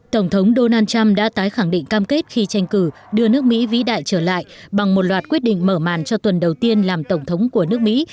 tổng thống donald trump đã tái khẳng định cam kết khi tranh cử đưa nước mỹ vĩ đại trở lại bằng một loạt quyết định mở màn cho tuần đầu tiên làm tổng thống của nước mỹ